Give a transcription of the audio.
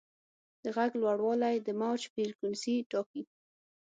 د غږ لوړوالی د موج فریکونسي ټاکي.